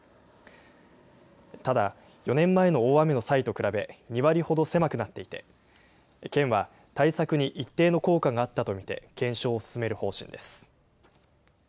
ただ、４年前の大雨の際と比べ、２割ほど狭くなっていて、県は対策に一定の効果があったと見て、検証を進める方針です。